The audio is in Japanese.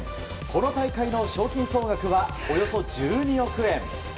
この大会の賞金総額はおよそ１２億円。